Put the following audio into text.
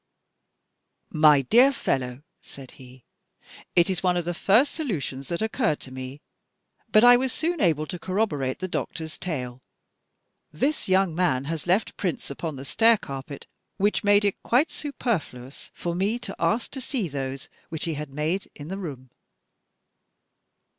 "My dear fellow," said he, "it is one of the first solutions that occurred to me, but I was soon able to corroborate the doctor's tale. This young man has left prints upon the stair carpet which made it quite superfluous for me to ask to see those which he had made in the room.